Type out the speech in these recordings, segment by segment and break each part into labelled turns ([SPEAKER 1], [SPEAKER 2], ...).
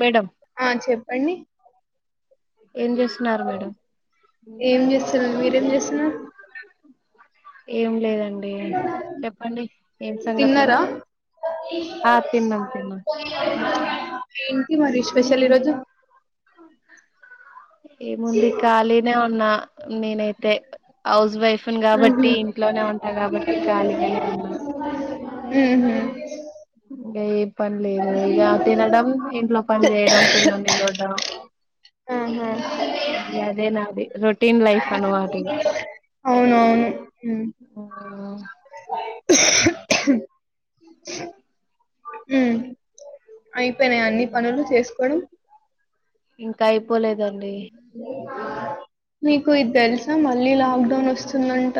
[SPEAKER 1] Madam
[SPEAKER 2] ఆ చెప్పండి
[SPEAKER 1] ఏం చేస్తున్నారు మేడం
[SPEAKER 2] ఏం చేస్తున్నారు మీరేం చేస్తున్నారు
[SPEAKER 1] ఏం లేదండి చెప్పండి ఏం సంగతులు
[SPEAKER 2] తిన్నారా
[SPEAKER 1] ఆ తిన్నాం తిన్నాం
[SPEAKER 2] ఏంటి మరి స్పెషల్ ఈరోజు
[SPEAKER 1] ఈ ముందు ఖాళినే ఉన్న నేనై తే హౌస్ వైఫ్ ని కాబట్టి
[SPEAKER 2] మ్మ్హ్మ్.
[SPEAKER 1] ఇంట్లోనే ఉన్నా కాబట్టి ఖాళీగానే ఉన్నా
[SPEAKER 2] మ్మ్హ్మ్.
[SPEAKER 1] ఏ పని లేదు ఇక తినడం ఇంట్లో పని చేయడం పిల్లోని చూడడం
[SPEAKER 2] ఆహా.
[SPEAKER 1] అదే నాది రొటీన్ లైఫ్ అన్నమాట ఇగా
[SPEAKER 2] అవునవును మ్మ్.
[SPEAKER 1] ఓ
[SPEAKER 2] మ్మ్. అయిపోయినాయి అన్ని పనులు చేసుకోవడం
[SPEAKER 1] ఇంకా అయిపోలేదండి
[SPEAKER 2] అ మీకు ఇది తెలుసా మళ్ళీ లాక్ డౌన్ వస్తుందంట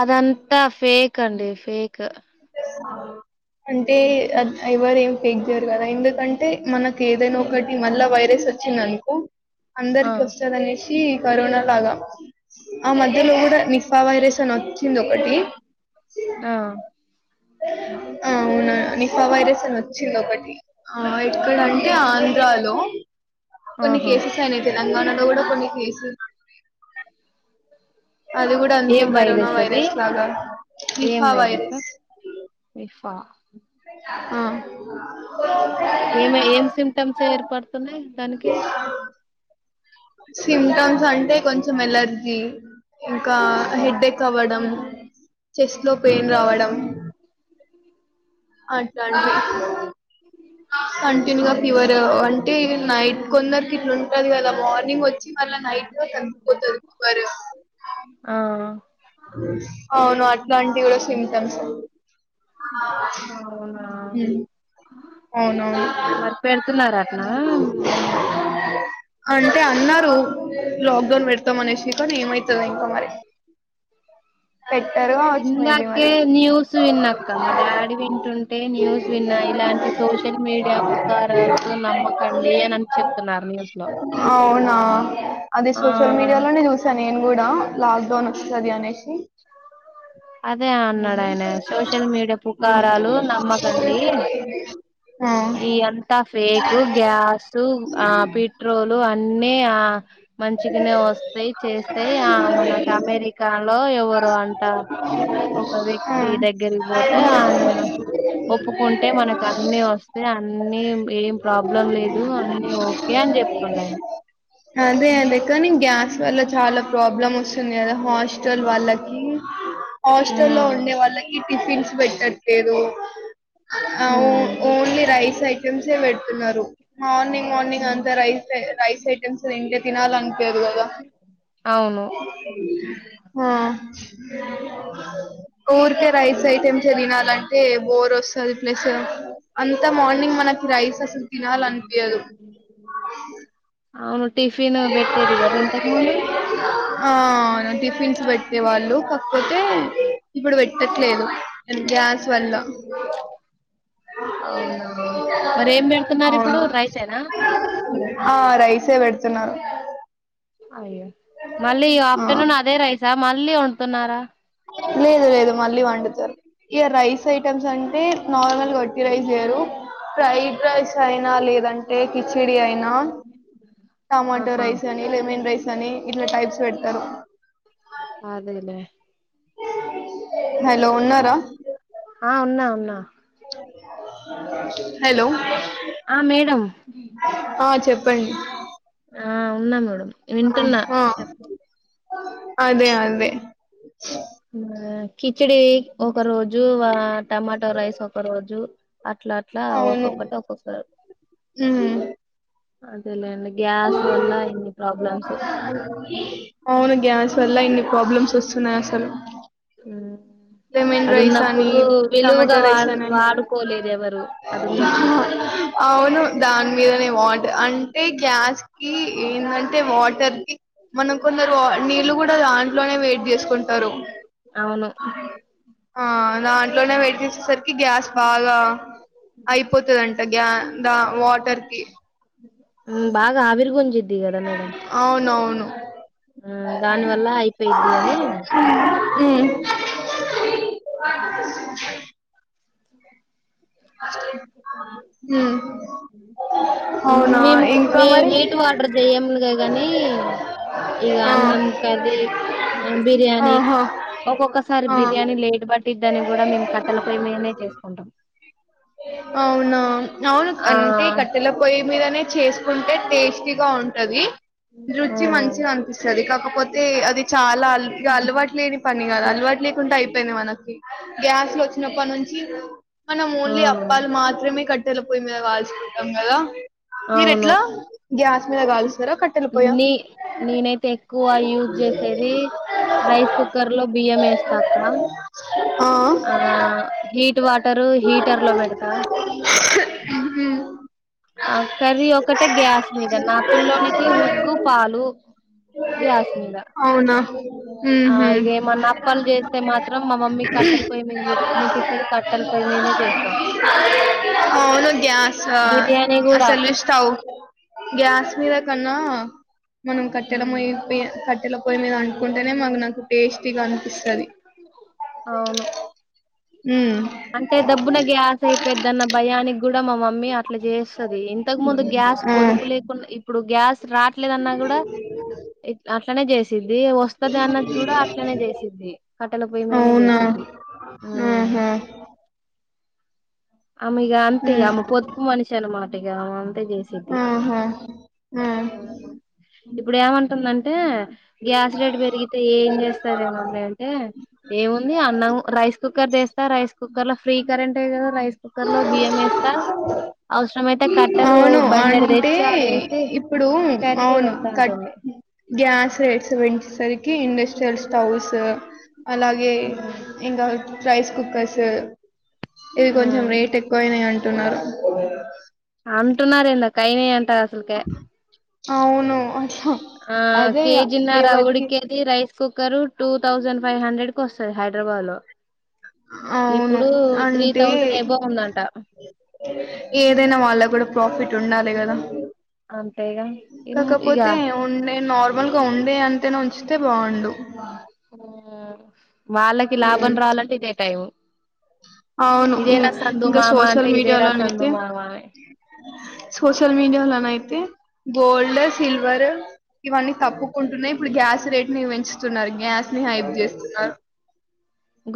[SPEAKER 1] అదంతా ఫేక్ అండి ఫేక్
[SPEAKER 2] అంటే ఎవరు ఏం పెంచరు కదా ఎందుకంటే మనకి ఏదైనా ఒకటి మళ్ళా వైరస్ వచ్చిందనుకో
[SPEAKER 1] ఆ
[SPEAKER 2] అందరికి వస్తదనేసి ఇ కరోనా లాగా ఆ మధ్యలో కూడా నిఫా వైరస్ అని వ వచ్చింది ఒకటి
[SPEAKER 1] ఆ
[SPEAKER 2] ఆ అవును నిఫా వైరస్ అని వచ్చింది ఒకటి ఆ ఇక్కడంటే ఆంధ్రాలో కొన్ని
[SPEAKER 1] ఆహా
[SPEAKER 2] కేసెస్ అయినాయి తెలంగాణలో కూడా కొన్ని కేసు
[SPEAKER 1] ఏం వైరస్ అది ఏం
[SPEAKER 2] నిఫా
[SPEAKER 1] వైరసు
[SPEAKER 2] వైరస్.
[SPEAKER 1] ప
[SPEAKER 2] ఆ
[SPEAKER 1] ఏమే ఏం సిమ్టమ్స్ ఏర్పడుతున్నాయి దానికి
[SPEAKER 2] సిమ్టమ్స్ అంటే కొంచెం ఎలర్జీ ఇంకా
[SPEAKER 1] ఆ
[SPEAKER 2] హెడేక్ అవ్వడం చెస్ట్ లో పెయిన్ రావడం అట్లాంటివి కంటిన్యూగా
[SPEAKER 1] అవునా
[SPEAKER 2] ఫీవర్ అంటే నైట్ కొందరికి ఇట్లు ఉంటది కదా మార్నింగ్ వచ్చి మళ్ళ నైట్ తగ్గిపొతది ఫివర్
[SPEAKER 1] ఆ
[SPEAKER 2] అవును అట్లాంటి కూడా సిమ్టమ్స్
[SPEAKER 1] అవునా
[SPEAKER 2] అవునవును
[SPEAKER 1] మరి పెడుతున్నారు అట్నా
[SPEAKER 2] అంటే అన్నారు లాక్ డౌన్ పెడతాం అనేసి కానీ ఏమైతుంది ఇంకా మరి పెట్టారు కావచ్చు మేబీ
[SPEAKER 1] ఇందాకే
[SPEAKER 2] మరి
[SPEAKER 1] న్యూస్ విన్నా అక్క మా డాడీ వింటుంటే న్యూస్ విన్నా ఇలాంటి సోషల్ మీడియా పూకారాస్ నమ్మకండి అని చెప్తున్నారు న్యూస్ లో
[SPEAKER 2] అవునా అది
[SPEAKER 1] ఆ
[SPEAKER 2] సోషల్ మీడియాలోనే చూశా నేను కూడా లాక్ డౌన్ వస్తది అనేసి
[SPEAKER 1] అదే అన్నాడు ఆయన సోషల్ మీడియా
[SPEAKER 2] ఆ
[SPEAKER 1] పుకారాలు నమ్మకండి
[SPEAKER 2] ఆ
[SPEAKER 1] ఈ ఎంత ఫేకు గ్యాసు ఆ పెట్రోలు అ న్నే ఆ మంచిగానే వస్తాయ్ చేస్తాయ్ ఆ మనకు అమెరికాలో ఎవరు అంట ఒక
[SPEAKER 2] ఆ.
[SPEAKER 1] వ్యక్తి దగ్గరికి పోతే ఆయన ఒప్పుకుంటే మనకు అన్నీ వస్ అంటే అన్ని ఏం ప్రాబ్లం లేదు అన్ని ఓకే అని చెప్తుండు ఆయన
[SPEAKER 2] అదే అదే కాని గ్యాస్ వల్ల చాలా ప్రాబ్లమ్ వస్తుంది కదా హాస్టల్ వాల్లకి హాస్టల్లో ఉండే
[SPEAKER 1] ఉమ్
[SPEAKER 2] వాళ్ళకి టిఫిన్స్ బెట్టట్లేదు ఆ ఓన్లీ రైస్ ఐటమ్సే పెడుతున్నారు మార్నింగ్ మార్నింగ్
[SPEAKER 1] ఉమ్
[SPEAKER 2] అంతా రైస్ అంటే రైస్ ఐటమ్స్ ఇంక తినాలి అనిపియదుకదా
[SPEAKER 1] అవును
[SPEAKER 2] ఆ ఊరికే రైస్ ఐటమ్సే దినాలంటే బోర్ వస్తది ప్లసు అంతా మార్నింగ్ మనకి రైస్ అసలు తినాలనిపియదు
[SPEAKER 1] అవును టిఫిను బెట్టేది గద ఇంతక ముందు
[SPEAKER 2] బెట్టే వాళ్ళు కాకపోతే ఇబ్బుడు వెట్టట్లేదు అది గ్యాస్ వల్ల
[SPEAKER 1] అవునా మరి ఏం బెడుతున్నారు ఇప్పుడు
[SPEAKER 2] అవును
[SPEAKER 1] రైసే. నా
[SPEAKER 2] ఆ రైసే పెడుతున్నారు
[SPEAKER 1] అయ్యో మళ్ళీ
[SPEAKER 2] ఆ
[SPEAKER 1] ఆఫ్టర్నూన్ అదే రైసా మళ్ళీ వండుతున్నారా
[SPEAKER 2] లేదు లేదు మళ్ళీ వండుతరు ఇగ రైస్ ఐటమ్స్ అంటే నార్మల్ వట్టి రైస్ జెయరు ఫ్రైడ్ రైస్ అయినా లేదంటే కిచిడి అయినా నా. టమాటో
[SPEAKER 1] ఆహా
[SPEAKER 2] రైస్ అని లెమెన్ రైస్ అని ఇట్లా టైప్స్ తరు
[SPEAKER 1] అదెలే
[SPEAKER 2] హలో ఉన్నారా
[SPEAKER 1] ఆ ఉన్నా ఉన్నా
[SPEAKER 2] హలో
[SPEAKER 1] ఆ మేడమ్
[SPEAKER 2] ప్పండి
[SPEAKER 1] ఆ ఉన్నా మేడం వింటున్నా
[SPEAKER 2] అద అదే
[SPEAKER 1] కిచిడి ఒక రోజు వ టమాటా రైస్ ఒక రోజు అట్లా అట్లా
[SPEAKER 2] అవును
[SPEAKER 1] ఒక్కొక్కటి ఒక్కొక్కరు
[SPEAKER 2] ఉమ్
[SPEAKER 1] అదేలేండి గ్యాస్ వల్లఇం
[SPEAKER 2] అవును గ్యాస్ వల్ల ఇన్ని ప్రాబ్లమ్స్ వస్తున్నాయి అసలు
[SPEAKER 1] ఊ
[SPEAKER 2] లెమన్ రైస్ అని
[SPEAKER 1] అదున్నప్పుడు విలువగా
[SPEAKER 2] టమాటా
[SPEAKER 1] వా
[SPEAKER 2] రైస్ అని అని.
[SPEAKER 1] వాడుకోలేరుఎవరు అదున్నప్పుడు
[SPEAKER 2] అవును దాని మీదనే వాట అంటే గ్యాస్ కి ఏంటంటే వాట [inaudible] మనం కొందరు నీళ్ళుకూడా దాంట్లోనే వెడ్. చేసుకుం
[SPEAKER 1] అవును
[SPEAKER 2] ఆ దాంట్లోనే వేడి జేసేసరికి గ్యాస్ బాగా అయిపోతదంట గ్యా దా వాటర్ కి
[SPEAKER 1] ఉ బాగా ఆవిరి గుంజుద్ది గదా మేడమ్
[SPEAKER 2] అ ఉ
[SPEAKER 1] వల్ల అయిపోయిద్ది అని
[SPEAKER 2] మ్
[SPEAKER 1] మ్ మేము మేము హీట్ వాటర్ జేయముగా నీ ఇగ
[SPEAKER 2] ఆ!
[SPEAKER 1] అన్నం కర్రీ
[SPEAKER 2] ఆహా
[SPEAKER 1] బిర్యానిఒక్కొక్కసారి
[SPEAKER 2] ఆ
[SPEAKER 1] బిర్యానీ లేట్ పట్టిద్ది అని కూడా మేము కట్టెల పోయ్యి మీదనే చేసుకుంటాం
[SPEAKER 2] అవునా అవును
[SPEAKER 1] ఆ
[SPEAKER 2] అంటే కట్టెల పొయి మీదనే చేసి ఉంటే టేస్టీగా ఉంటది.
[SPEAKER 1] ఆ
[SPEAKER 2] రుచి మంచిగా అనిపిస్తది. కాకపోతే అది చాలా అల్ అలవాటు లేని పని కాదా అల్ అలవాటు లేకుండా అయిపోయింది మనకి గ్యాస్ లో వచ్చినప్పటి నుంచి మనం
[SPEAKER 1] ఆ
[SPEAKER 2] ఓన్లీ అప్పాలు మాత్రమే కట్టెల పోయి మీద కాల్చుకుంటాం కదా
[SPEAKER 1] అవును
[SPEAKER 2] మీరుఎట్లా? గ్యాస్ మీద కాలుస్తారా కట్టెలపోయ్య
[SPEAKER 1] నీ నేనైతే ఎక్కువ యూజ్ చేసేది రైస్ కుక్కర్ లో బియ్యం వేస్తా అక్క ఆ హీట్ వాటర్ హీటర్ లో పెడతా [inaudible] ఆ కర్రీ ఒకటే గ్యాస్ మీద నా పిల్లోనికి ఉగ్గు పాలు. గ్యాస్ మీద
[SPEAKER 2] అవునా
[SPEAKER 1] ఆ
[SPEAKER 2] ఉహు
[SPEAKER 1] ఇగే మన అప్పాలు చేస్తే మాత్రం మా మమ్మీ కట్టలు పొయ్య మీద ము ముట్టిస్తంది కట్టలు పోయ్య మీం ఎన్నని చేస్తాం
[SPEAKER 2] అవును గ్యాస
[SPEAKER 1] బిర్యానీ కూడా
[SPEAKER 2] అసలు స్టవ్ గ్యాస్ మీద కన్నా మనం కట్టల
[SPEAKER 1] ఉమ్
[SPEAKER 2] ముయోపె కట్ ఇలా పొయి మీద అంకుంటేనే మాకు నకు టేస్ట్
[SPEAKER 1] అవును.
[SPEAKER 2] ఉమ్
[SPEAKER 1] అంటే డబ్బున గ్యాస్ అయిపోద్దన్న భయానికి కూడా మా మ మే అట్లా చేస్తది. ఇంతకు ముందు గ్యాస్
[SPEAKER 2] ఆ
[SPEAKER 1] పొదుపు లేకుండా ఇప్పుడు గ్యాస్ రాట్లేదన్నా కూడా ఇట్ అట్లనే చేసి ఇదీ వస్తది అన్న కూడా అట్లనే చేసిద్ది కట్టల పొయ్య మీనే చేసిద్ది. ఉమ్
[SPEAKER 2] ఉహు
[SPEAKER 1] ఆమే ఇగా అంత ఇగా
[SPEAKER 2] ఉమ్
[SPEAKER 1] పొత్పు మనిషి అన్నమాట ఇగ అ అంతే చేసది.
[SPEAKER 2] ఆహా ఆ
[SPEAKER 1] ఇప్పుడు ఏమంటుందన్ గ్యాస్ రేట్ పెరిగితే ఏం చేస్తాదే మమ్మి అంటే ఏముంది అన్నం రైస్ కుక్కర్ తీస్ త రైస్ కుక్కర్ లో ఫ్రీ కరెంటె కదా. రైస్ కుక్కర్ లో బియ్యం వేస్తా హౌస్
[SPEAKER 2] అవును అంటే
[SPEAKER 1] ఆడేసి
[SPEAKER 2] ఇప్పుడు
[SPEAKER 1] కర్రీ
[SPEAKER 2] అవును
[SPEAKER 1] వండుతా
[SPEAKER 2] కట్
[SPEAKER 1] అంటుంది
[SPEAKER 2] ఉమ్ గ్యాస్ రేట్స్ పెంచేసరికి ఇండె స్టేల్ స్టవ్స్ అలాగే ఇంకా రైస్ కుక్కర్స్. ఇవి
[SPEAKER 1] ఆ
[SPEAKER 2] కొంచెం రేట్‌‌ ఎక్కువైనాయి అంటున్నారు.
[SPEAKER 1] అంటున్నారెందక్క ఏయినై అంటన్నారు.
[SPEAKER 2] అవును అ
[SPEAKER 1] ఆ కేజినార ఉడికేది rice cooker two thousand five hundred కు వస్తది హైదరాబాద్ లో.
[SPEAKER 2] అవును.
[SPEAKER 1] ఇప్పుడు త్రీ
[SPEAKER 2] అంటే
[SPEAKER 1] థౌజండ్ ఎబొవ్ ఉందంట.
[SPEAKER 2] ఏదైనా వాళ్ళ కూడా ప్రాఫిట్ ఉండాలి కదా.
[SPEAKER 1] అంతేగా ఇమ్ ఇగ
[SPEAKER 2] కాకపోతే ఉండే నార్మల్ గా ఉండే అంతేనే ఉంచితే బాండు.
[SPEAKER 1] ఉమ్ వాళ్ళకి లాభం
[SPEAKER 2] హ్మ్.
[SPEAKER 1] రావాలంటే ఇదే టైము.
[SPEAKER 2] అవును ఈ ఇంకా సోషల్
[SPEAKER 1] అంటే ఇదేరా
[SPEAKER 2] మీడియాలో
[SPEAKER 1] సందు
[SPEAKER 2] అయితే
[SPEAKER 1] మామ అని.
[SPEAKER 2] సోషల్ మీడియాలోనయితే గోల్డ్, సిల్వర్ ఇవన్నీ తప్పుకుంటున్నాయి. ఇప్పుడు గ్యాస్ రేట్ ని పెంచుతున్నారు గ్యాస్ ని హైప్ చేస్తున్నారు.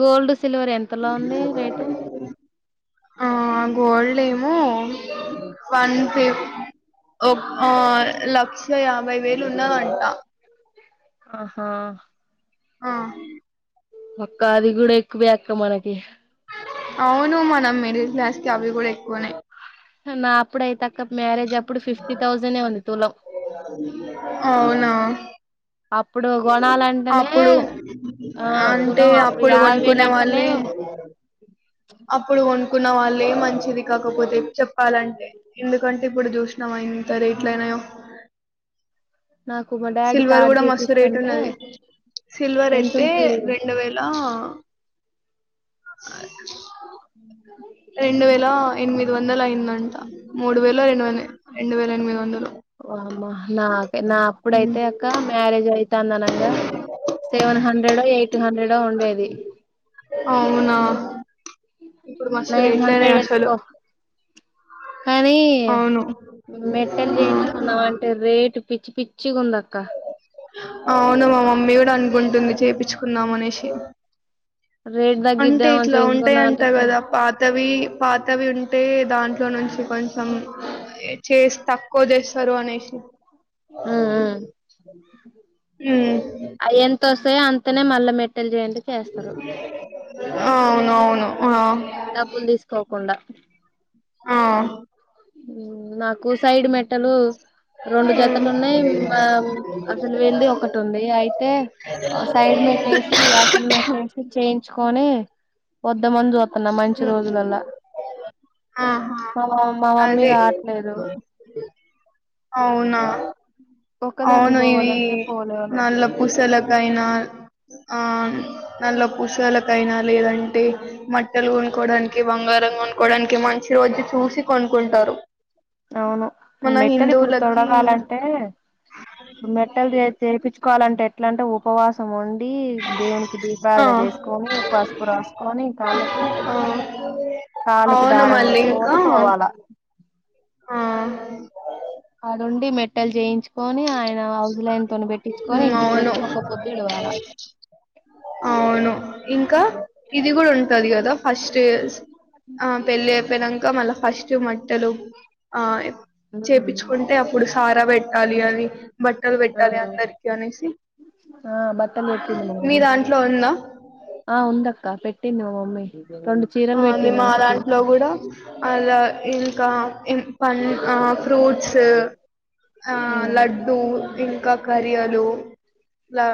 [SPEAKER 1] గోల్డ్, సిల్వర్ ఎంతులో ఉంది రేటు?
[SPEAKER 2] ఆ గోల్డ్ ఏమో వన్ ఫిఫ్త్ ఒక్ ఆ లక్ష యాభై వేలు ఉన్నదంట.
[SPEAKER 1] అహ
[SPEAKER 2] అ
[SPEAKER 1] ఒక్క అది కూడా ఎక్కువ అక్క మనకి.
[SPEAKER 2] అవును మనం మెడిల్ క్లాస్ కి అవి కూడా ఎక్కువనే.
[SPEAKER 1] ననాప్పుడు అయిత క్క మ్యారేజ్ అప్పుడు ఫిఫ్టీ థౌజండే ఉంది తులం.
[SPEAKER 2] అవునా
[SPEAKER 1] అప్పుడు గొనాలంటేనే
[SPEAKER 2] అప్పుడు
[SPEAKER 1] ఆ
[SPEAKER 2] అంటే
[SPEAKER 1] తులం అప్పుడు యాభై వేలు
[SPEAKER 2] కొనుక్కునే
[SPEAKER 1] అంటేనే.
[SPEAKER 2] వాళ్ళే అప్పుడు కొ కున్న వాళ్ళే మంచిది కాకపోతే చెప్పాలంటే ఎందుకంటే ఇప్పుడు జుసినావ ఎంత రె లేనేవ్
[SPEAKER 1] నాకు మా డాడి తాడు జేపిస్
[SPEAKER 2] రేట్ ఉన్నాది సిల్వర్ అయితే
[SPEAKER 1] ఎంతుంది
[SPEAKER 2] రెండు వేల. ఆహ్ అ రెండు వేల ఎనిమిది వందలు అయిందంట మూడు వేల రెండు వందె రెండు వేల ఎనిమిది వందలు.
[SPEAKER 1] వామ్మో నాకే నా
[SPEAKER 2] ఉమ్,
[SPEAKER 1] అప్పుడైతే అక్క మ్యారేజ్ అయి. తన్అనంగా సెవెన్ హండ్రెడో ఎయిట్ హండ్రెడో ఉండేది.
[SPEAKER 2] అవునా ఇప్పుడు మస్తు
[SPEAKER 1] నైన్
[SPEAKER 2] రేట్లు అయినీ
[SPEAKER 1] హండ్రెడ్
[SPEAKER 2] అసలు.
[SPEAKER 1] వేసుకో కానీ
[SPEAKER 2] అవును
[SPEAKER 1] మెట్టెల్ జేయించుకుందాం అంటే రేటు పిచ్చి పిచ్చి గుందక్క
[SPEAKER 2] అవును మా మమ్మీ గూడా అనుకుంటుంది చేయిపించుకుందాం అనేసి
[SPEAKER 1] రేట్
[SPEAKER 2] అంటే
[SPEAKER 1] తగ్గిద్దాం
[SPEAKER 2] ఇట్లా ఉంటాయ్
[SPEAKER 1] చేయించుకున్నాం అంటే
[SPEAKER 2] అంటావ్ కదా పాతవి పాతవి ఉం. టే దాంట్లో నుంచి కొంచెం చేసి తక్కువ చేస్తారు అనేషి
[SPEAKER 1] అహ్హ్.
[SPEAKER 2] ఉమ్మ్
[SPEAKER 1] సే అంతనే మల్ల మెట్టెల్ జేయండి.
[SPEAKER 2] అ అవునవును
[SPEAKER 1] డబ్బుల్ దీసుకోకుండా
[SPEAKER 2] ఆ....
[SPEAKER 1] ఉమ్ నాకు సైడ్ మెట్టెలు రెండు
[SPEAKER 2] ఉమ్
[SPEAKER 1] జతలున్నయ్ మ అసలు వెండి ఒకటి ఉంది అయితే ఆ సైడ్ డ్ మెట్టేసి అసలు మెట్టేసి చేయించుకొని వద్ ద్దమని జూత్తన మంచి రోజులల్లా
[SPEAKER 2] ఆహా
[SPEAKER 1] మామమ్ మా మమ్మీ
[SPEAKER 2] అదే
[SPEAKER 1] రాట్లేదు
[SPEAKER 2] అవునా
[SPEAKER 1] ఒక్కదాన్ని
[SPEAKER 2] అవును ఇవి
[SPEAKER 1] పోవాలంటే పోలేను
[SPEAKER 2] నల్ల పూసలక్. లైనాల్ ఆ నల్ల పుసలకయినా లేదంటే మట్టెలు కొనుక్కోడానికి బంగారం కొనుక్కోడానికి మంచి రోజు చూసి కొనుకుంటారు
[SPEAKER 1] అవును మెట్టెలిప్పుడు తొడగాలంటే మెట్టెల్ చే చెపిచ్ క్కాలంటే ఎట్లంటే ఉపవాసం ఉం డీ దేవునికి
[SPEAKER 2] ఆ
[SPEAKER 1] దీపారదనజేస్కొని పసుపు రాస్కొని కాళ్ళకి.
[SPEAKER 2] ఆ
[SPEAKER 1] కాళ్ళకు
[SPEAKER 2] అవును
[SPEAKER 1] దారం
[SPEAKER 2] మళ్ళీ ఇంకా
[SPEAKER 1] కట్టుకొని పోవాలా
[SPEAKER 2] ఆ
[SPEAKER 1] ఆడుండి మెట్టెల్ జేయించ్ కొని ఆయన హౌస్లైన్ తొని పెట్టిచ్చుకొని
[SPEAKER 2] ఉమ్,
[SPEAKER 1] ఇంటికొచ్చి
[SPEAKER 2] అవును
[SPEAKER 1] ఒక్క పొద్ది ఇడవాలా.
[SPEAKER 2] అవును ఇంకా ఇది గుడ ఉంటాదికదా ఫస్ట్ ఇస్ ఆ పెళ్ళి ఐపోయినంక మళ్ళ ఫస్ట్ మట్టెలు ఆహ్
[SPEAKER 1] ఉమ్
[SPEAKER 2] చేపిచ్చుకుంటే అప్పుడు సార బెట్టాలి అని బట్టలు
[SPEAKER 1] ఆ
[SPEAKER 2] బెట్టాలి అందరికి అనేసి.
[SPEAKER 1] ఆ బట్టలు పెట్టింది మా మమ్మీ
[SPEAKER 2] మిదాంట్లో ఉందా
[SPEAKER 1] ఆ ఉందక్క పెట్టింది మా మమ్మీ రెండు
[SPEAKER 2] ఆ
[SPEAKER 1] చీరలు పెట్టింది నాకు
[SPEAKER 2] అందిమాదాంట్లో గుడా అలా ఇంకా ఇం పన్ ఆ ఫ్రూట్స్ ఆ
[SPEAKER 1] ఉమ్
[SPEAKER 2] లడ్డూ ఇంక. కరియలూ లా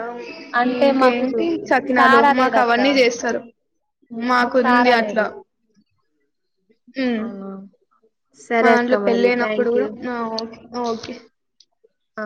[SPEAKER 1] అంటే మాకు
[SPEAKER 2] ఇంకేంటి చకినాలు
[SPEAKER 1] సారా
[SPEAKER 2] మాకు
[SPEAKER 1] లేదక్క
[SPEAKER 2] అవన్నీ జేస్తరూ. మాకుంది అ
[SPEAKER 1] ఎదుర్
[SPEAKER 2] ఉమ్
[SPEAKER 1] అవునా
[SPEAKER 2] మా
[SPEAKER 1] సరే అక్క
[SPEAKER 2] దాంట్లో
[SPEAKER 1] మరి
[SPEAKER 2] పెళ్లయినప్పుడు
[SPEAKER 1] థ్యాంక్
[SPEAKER 2] గుడా
[SPEAKER 1] యూ
[SPEAKER 2] నాఓ ఓకే.
[SPEAKER 1] ఆ